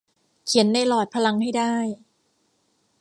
เขียนในหลอดพลังให้ได้